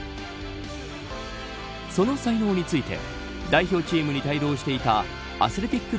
その才能について代表チームに帯同していたアスレティック